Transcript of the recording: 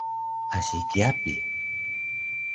asi kyapi!